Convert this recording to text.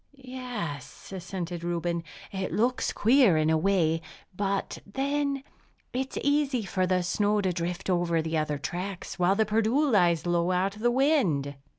"Yes," assented Reuben, "it looks queer in a way. But then, it's easy for the snow to drift over the other tracks; while the Perdu lies low out of the wind."